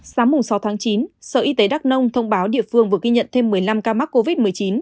sáng sáu tháng chín sở y tế đắk nông thông báo địa phương vừa ghi nhận thêm một mươi năm ca mắc covid một mươi chín